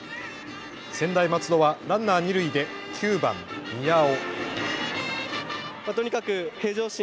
専大松戸はランナー二塁で９番・宮尾。